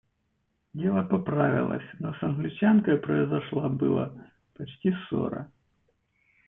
Дело поправилось, но с Англичанкой произошла было почти ссора.